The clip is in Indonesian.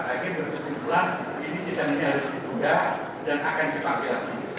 saya yakin berkesimpulan ini sidang ini harus ditunda dan akan dipakai lagi